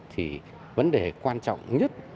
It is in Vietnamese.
thì vấn đề quan trọng nhất